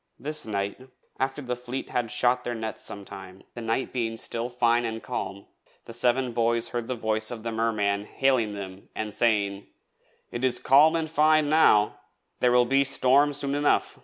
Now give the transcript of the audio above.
This night, after the Fleet had shot their nets sometime, the night being still fine and calm, the Seven Boys heard the voice of the Merman hailing them and saying: 'It is calm and fine now; there will be storm enough soon!'